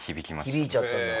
響いちゃったんだ。